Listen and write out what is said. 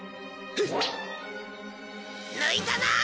抜いたな！